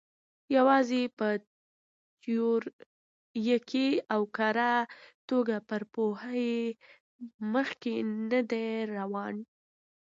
یوازې په تیوریکي او کره توګه پر پوهې مخکې نه دی روان.